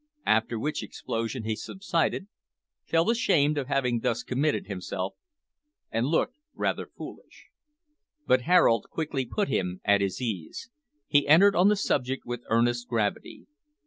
After which explosion he subsided, felt ashamed of having thus committed himself, and looked rather foolish. But Harold quickly put him at his ease. He entered on the subject with earnest gravity.